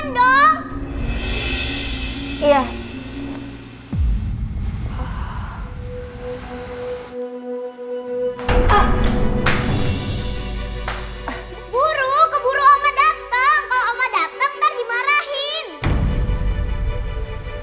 kalau oma dateng ntar dimarahin